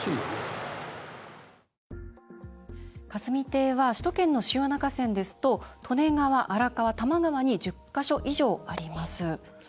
霞堤は首都圏の主要な河川ですと利根川、荒川、多摩川に１０か所以上あります。